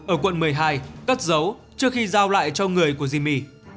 ở quận một mươi hai cất dấu trước khi giao lại cho người của jimmy